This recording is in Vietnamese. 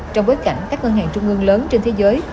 trong bối cảnh các ngân hàng trung ương lớn trên thế giới